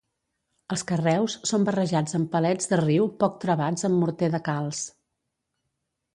Els carreus són barrejats amb palets de riu poc travats amb morter de calç.